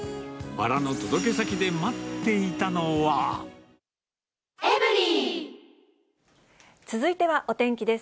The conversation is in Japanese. バラの届け先で待っていたの続いてはお天気です。